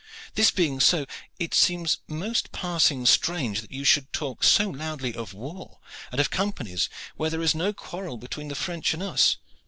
This being so, it seems most passing strange that you should talk so loudly of war and of companies when there is no quarrel between the French and us."